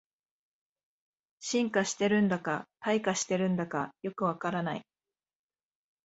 進化してるんだか退化してるんだかよくわからない